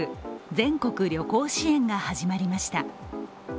全国旅行支援が始まりました。